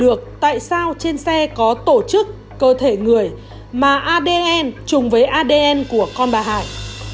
được tại sao trên xe có tổ chức cơ thể người mà adn trùng với adn của con bà hải